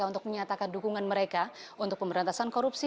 untuk menyatakan dukungan mereka untuk pemberantasan korupsi